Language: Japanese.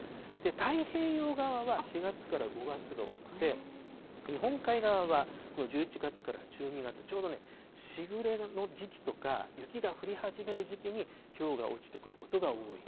太平洋側は４月から５月が多くて、日本海側は１１月から１２月、ちょうどね、時雨の時期とか、雪が降り始める時期にひょうが落ちてくることが多い。